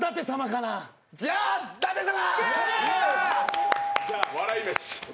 じゃ舘様。